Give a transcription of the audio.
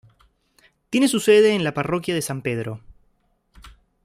Tiene su sede en la parroquia de San Pedro.